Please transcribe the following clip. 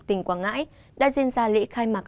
tỉnh quảng ngãi đã diễn ra lễ khai mạc